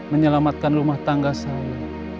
menyelamatkan rumah tangga saya